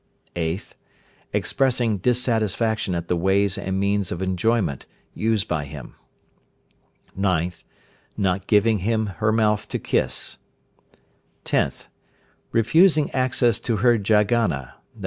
8th. Expressing dissatisfaction at the ways and means of enjoyment used by him. 9th. Not giving him her mouth to kiss. 10th. Refusing access to her Jaghana, _i.